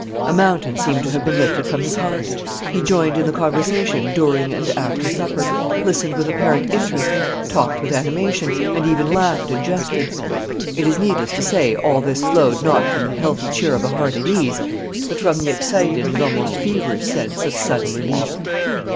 A mountain seemed to have been lifted from his heart. He joined in the conversation during and after supper, listened with apparent interest, talked with animation, and even laughed and jested. It is needless to say all this flowed not from the healthy cheer of a heart at ease, but from the excited and almost feverish sense of sudden relief.